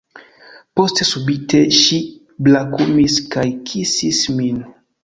Poste subite ŝi brakumis kaj kisis min.